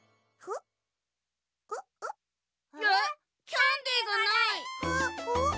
キャンデーがない！